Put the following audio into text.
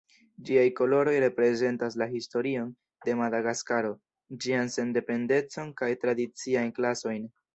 Ĝiaj koloroj reprezentas la historion de Madagaskaro, ĝian sendependecon kaj tradiciajn klasojn.